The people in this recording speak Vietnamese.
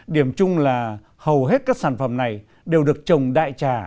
điểm chung là hầu hết các sản phẩm này đều được trồng đại trà